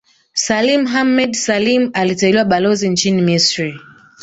Salim Ahmed Salim aliteuliwa Balozi nchini Misri